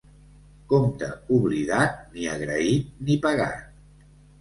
Compte oblidat, ni agraït ni pagat.